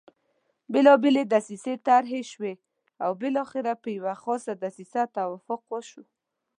بېلابېلې دسیسې طرح شوې او بالاخره پر یوه خاصه دسیسه توافق وشو.